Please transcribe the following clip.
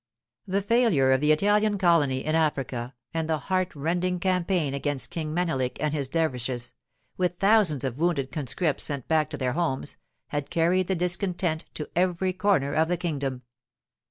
The failure of the Italian colony in Africa, and the heart rending campaign against King Menelik and his dervishes, with thousands of wounded conscripts sent back to their homes, had carried the discontent to every corner of the kingdom.